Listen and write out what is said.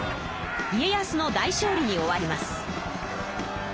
家康の大勝利に終わります。